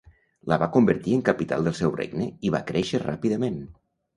La va convertir en capital del seu regne i va créixer ràpidament.